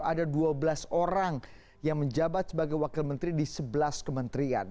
ada dua belas orang yang menjabat sebagai wakil menteri di sebelas kementerian